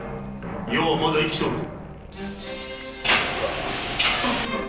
余はまだ生きておるぞ。